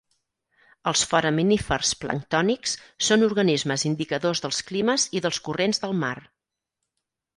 Els foraminífers planctònics són organismes indicadors dels climes i dels corrents del mar.